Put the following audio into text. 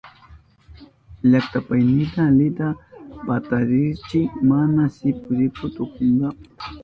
Llachapaynita alita patarichiy mana sipu sipu tukunanpa.